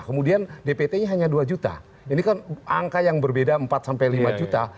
kemudian dpt nya hanya dua juta ini kan angka yang berbeda empat sampai lima juta